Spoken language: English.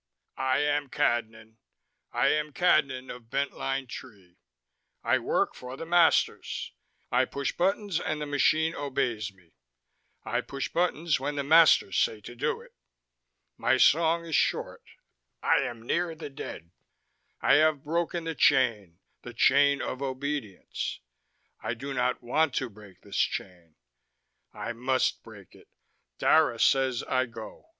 "I am Cadnan, I am Cadnan of Bent Line Tree, I work for the masters, I push buttons and the machine obeys me, I push buttons when the masters say to do it. My song is short. I am near the dead. I have broken the chain, the chain of obedience. I do not want to break this chain. I must break it. Dara says I go.